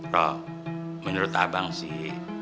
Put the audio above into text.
roha menurut abang sih